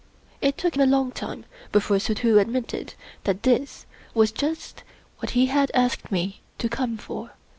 It took a long time before Suddhoo admitted that this was just what he had asked me to come for.